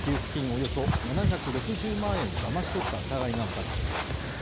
およそ７６０万円をだまし取った疑いが持たれています